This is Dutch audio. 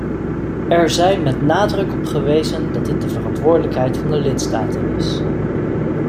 Er zij met nadruk op gewezen dat dit de verantwoordelijkheid van de lidstaten is.